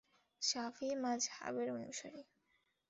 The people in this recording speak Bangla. শাফিঈ মাযহাবের অনুসারী।